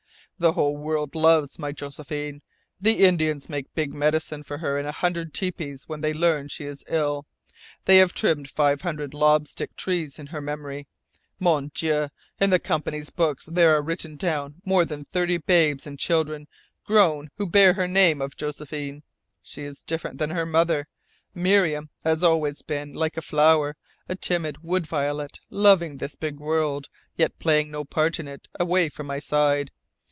The whole world loves my Josephine. The Indians make the Big Medicine for her in a hundred tepees when they learn she is ill. They have trimmed five hundred lob stick trees in her memory. Mon Dieu, in the Company's books there are written down more than thirty babes and children grown who bear her name of Josephine! She is different than her mother. Miriam has been always like a flower a timid wood violet, loving this big world, yet playing no part in it away from my side.